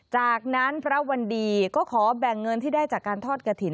จากนั้นพระวันดีก็ขอแบ่งเงินที่ได้จากการทอดกระถิ่น